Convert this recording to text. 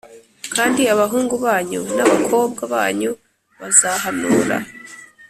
kandi abahungu banyu n abakobwa banyu bazahanura